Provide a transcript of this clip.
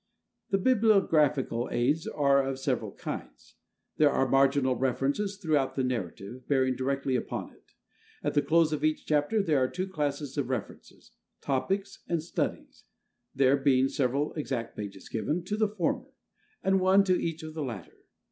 The bibliographical aids are of several kinds. There are marginal references throughout the narrative, bearing directly upon it. At the close of each chapter there are two classes of references, "topics," and "studies," there being several (exact pages given) to the former, and one to each of the latter.